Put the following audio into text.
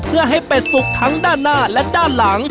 เพื่อให้เป็ดสุกทั้งด้านหน้าและด้านหลัง